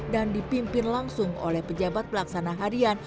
dan dipimpin langsung oleh pejabat pelaksana harian